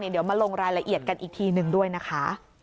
เดี๋ยวมาลงรายละเอียดกันอีกทีหนึ่งด้วยนะคะ